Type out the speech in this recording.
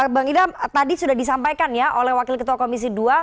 bang idam tadi sudah disampaikan ya oleh wakil ketua komisi dua